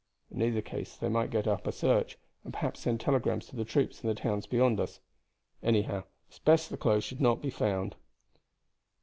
In either case they might get up a search, and perhaps send telegrams to the troops in the towns beyond us. Anyhow, it's best the clothes should not be found."